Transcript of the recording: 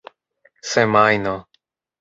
semajno